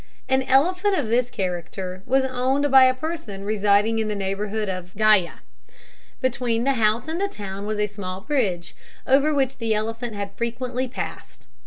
An elephant of this character was owned by a person residing in the neighbourhood of Gyah. Between the house and the town was a small bridge, over which the elephant had frequently passed.